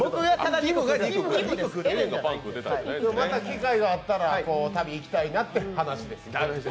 また機会があったら旅行きたいなって話。